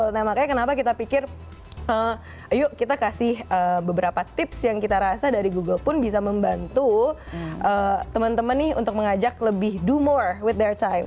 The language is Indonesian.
nah makanya kenapa kita pikir yuk kita kasih beberapa tips yang kita rasa dari google pun bisa membantu teman teman nih untuk mengajak lebih do more wither time